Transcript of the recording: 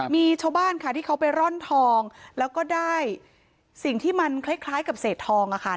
มีชาวบ้านค่ะที่เขาไปร่อนทองแล้วก็ได้สิ่งที่มันคล้ายกับเศษทองอะค่ะ